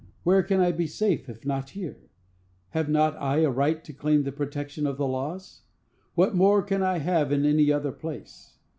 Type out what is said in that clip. Where can I be safe, if not here? Have not I a right to claim the protection of the laws? What more can I have in any other place?